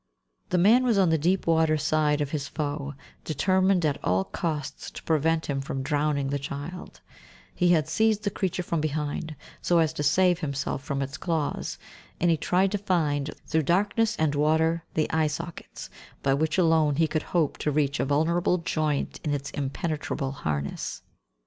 The man was on the deep water side of his foe, determined at all costs to prevent him from drowning the child; he had seized the creature from behind, so as to save himself from its claws, and he tried to find, through darkness and water, the eye sockets, by which alone he could hope to reach a vulnerable joint in its impenetrable harness.